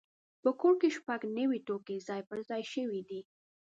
په کور کې شپږ نوي توکي ځای پر ځای شوي دي.